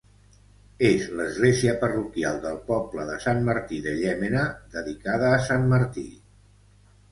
És l'església parroquial del poble de Sant Martí de Llémena, dedicada a Sant Martí.